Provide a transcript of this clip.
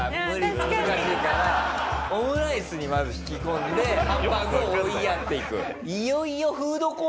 オムライスにまず引き込んでハンバーグを追いやっていく。